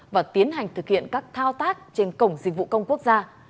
và tiến hành thực hiện các thao tác trên cổng dịch vụ công quốc gia